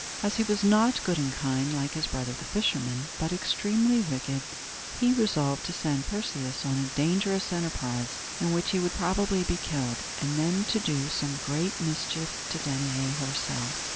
As he was not good and kind, like his brother the fisherman, but extremely wicked, he resolved to send Perseus on a dangerous enterprise, in which he would probably be killed, and then to do some great mischief to Danaë herself.